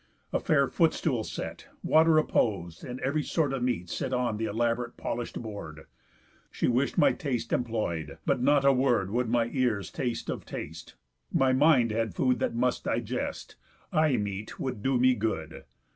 A fair foot stool set, Water appos'd, and ev'ry sort of meat Set on th' elaborately polish'd board, She wish'd my taste employ'd; but not a word Would my ears taste of taste; my mind had food That must digest; eye meat would do me good.